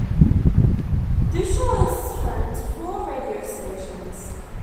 Dushore is home to four radio stations.